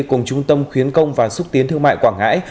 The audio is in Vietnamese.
cùng trung tâm khuyến công và xúc tiến thương mại quảng ngãi